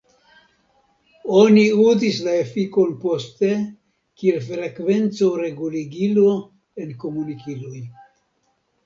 Oni uzis la efikon poste kiel frekvenco-reguligilo en komunikiloj.